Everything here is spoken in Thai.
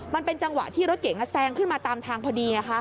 มันเป็นจังหวะที่รถเก๋งแซงขึ้นมาตามทางพอดี